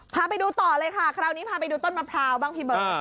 พาไปดูต่อเลยค่ะคราวนี้พาไปดูต้นมะพร้าวบ้างพี่เบิร์ต